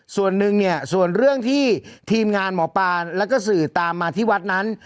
ส่วนหนึ่งเนี่ยส่วนเรื่องที่ทีมงานหมอปลาแล้วก็สื่อตามมาที่วัดนั้น